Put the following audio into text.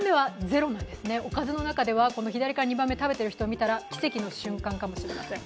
ゼロなんですね、おかずの中では左から２番目を食べている人を見たら奇跡の瞬間かもしれません。